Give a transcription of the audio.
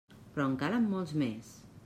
Però en calen molts més!